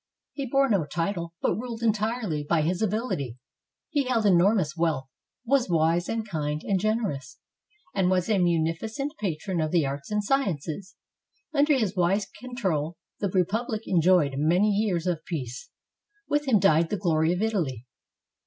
He bore no title, but ruled entirely by his ability. He held enormous wealth, was wise and kind and generous, and a munificent patron of the arts and sciences. Under his wise control, the republic enjoyed many years of peace. With him died the glory of Italy.